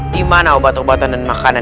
dimana obat obatan dan makanan